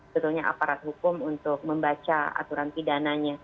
sebetulnya aparat hukum untuk membaca aturan pidananya